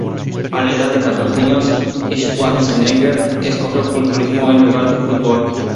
A la edad de catorce años, Schwarzenegger escogió culturismo en lugar de fútbol.